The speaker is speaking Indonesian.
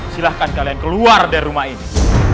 silahkan kalian keluar dari rumah ini